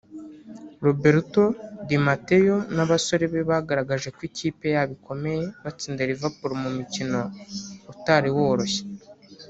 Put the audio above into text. Roberto Di Mateo n’abasore be bagaragaraje ko ikipe yabo ikomeye batsinda Liverpool mu mukino utari woroshye